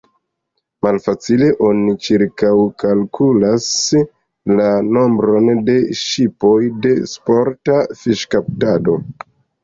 Malfacile oni ĉirkaŭkalkulas la nombron de ŝipoj de sporta fiŝkaptado.